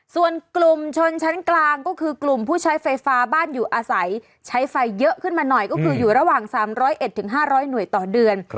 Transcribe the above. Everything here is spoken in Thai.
ส่วนกลุ่มชนชั้นกลางก็คือกลุ่มผู้ใช้ไฟฟ้าบ้านอยู่อาศัยใช้ไฟเยอะขึ้นมาหน่อยก็คืออยู่ระหว่าง๓๐๑๕๐๐หน่วยต่อเดือน